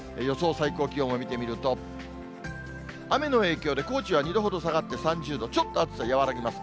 最高気温を見てみると、雨の影響で高知は２度ほど下がって３０度、ちょっと暑さ和らぎます。